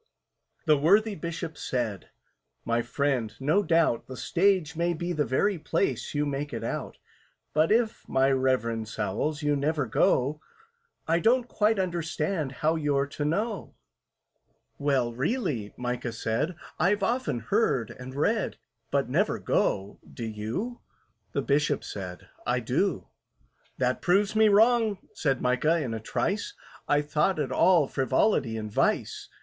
The worthy Bishop said, "My friend, no doubt The Stage may be the place you make it out; But if, my REVEREND SOWLS, you never go, I don't quite understand how you're to know." "Well, really," MICAH said, "I've often heard and read, But never go—do you?" The Bishop said, "I do." "That proves me wrong," said MICAH, in a trice: "I thought it all frivolity and vice."